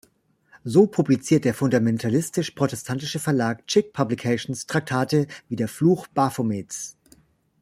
So publiziert der fundamentalistisch-protestantische Verlag Chick Publications Traktate wie "Der Fluch Baphomets".